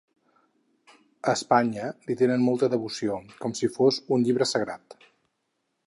A Espanya li tenen molta devoció, com si fos un llibre sagrat.